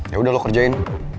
yaudah lo kerjain